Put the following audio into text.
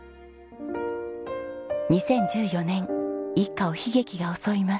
２０１４年一家を悲劇が襲います。